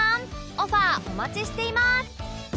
オファーお待ちしています！